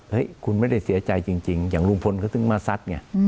เฮ้ยคุณไม่ได้เสียใจจริงจริงอย่างรุงพลเขาต้องมาซัดไง